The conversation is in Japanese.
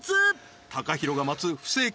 ＴＡＫＡＨＩＲＯが待つ不正解